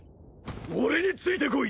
俺についてこい！